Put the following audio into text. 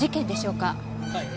はい。